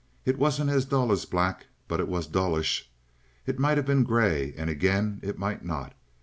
It wasn't as dull as black, but it was dullish. It might have been grey and again it might not.